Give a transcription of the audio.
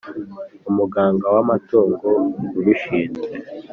Umuganga w amatungo ubishinzwe